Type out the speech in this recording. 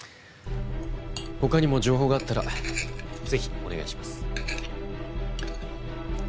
他にも情報があったらぜひお願いします。